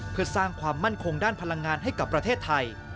เพื่อสร้างความมั่นคงด้านพลังงานให้กับประเทศไทย